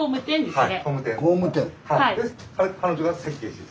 はい。